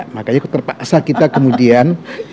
makanya terpaksa kita kemudian